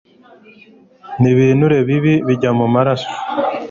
n'ibinure bibi bijya mu maraso .